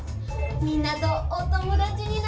みんなとおともだちになりたいんだ。